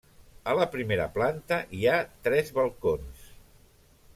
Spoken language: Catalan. A la primera planta hi ha tres balcons.